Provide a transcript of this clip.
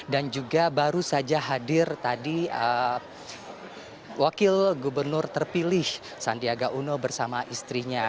dan juga baru saja hadir tadi wakil gubernur terpilih sandiaga uno bersama istrinya